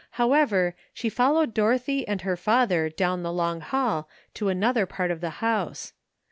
How ever, she followed Dorothy and her father down the long hall to another part of the house.